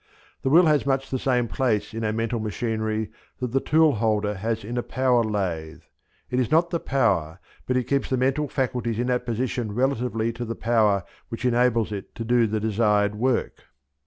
The will has much the same place in our mental machinery that the tool holder has in a power lathe: it is not the power, but it keeps the mental faculties in that position relatively to the power which enables it to do the desired work.